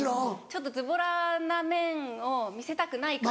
ちょっとズボラな面を見せたくないから。